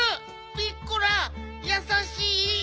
ピッコラやさしい。